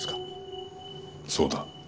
そうだ。